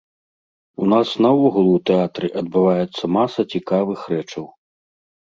У нас наогул у тэатры адбываецца маса цікавых рэчаў.